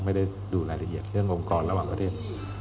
ไม่ได้ดูรายละเอียดเรื่ององค์กรระหว่างประเทศ